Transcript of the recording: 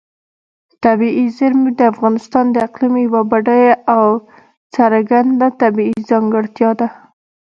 طبیعي زیرمې د افغانستان د اقلیم یوه بډایه او څرګنده طبیعي ځانګړتیا ده.